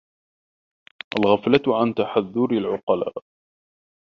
الْغَفْلَةُ عَنْ تَحَذُّرِ الْعُقَلَاءِ